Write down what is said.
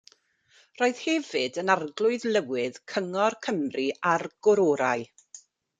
Roedd hefyd yn Arglwydd Lywydd Cyngor Cymru a'r Gororau.